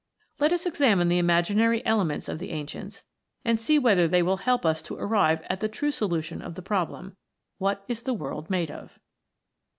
Let us examine the imaginary elements of the ancients, and see whether they will help us to arrive at the true solution of the problem what is the world made of?